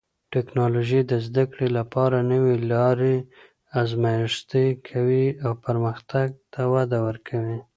ټکنالوژي د زده کړې لپاره نوې لارې ازمېښتي کوي او پرمختګ ته وده ورکوي.